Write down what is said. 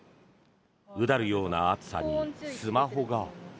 うだるような暑さにスマホが。